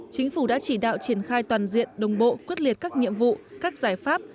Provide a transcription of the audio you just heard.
chính phủ đã chỉ đạo triển khai toàn diện đồng bộ quyết liệt các nhiệm vụ các giải pháp